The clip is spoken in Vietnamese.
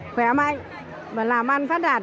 khỏe mạnh và làm an phát đạt